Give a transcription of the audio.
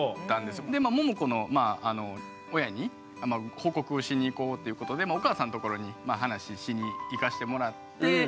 ももこの親に報告をしに行こうっていうことでお母さんのところに話しに行かしてもらって。